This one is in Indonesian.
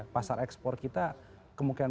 pasar ekspor kita kemungkinan